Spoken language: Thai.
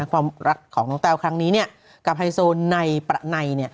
ความรักของน้องแต้วครั้งนี้กับไฮโซในประไน